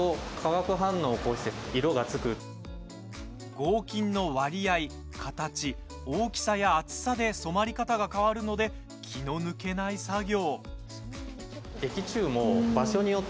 合金の割合、形、大きさや厚さで染まり方が変わるので気の抜けない作業。